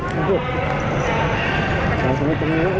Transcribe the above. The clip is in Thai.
สวัสดีครับ